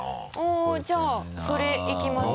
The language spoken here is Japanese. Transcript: おっじゃあそれいきますか？